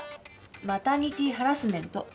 マタニティーハラスメント。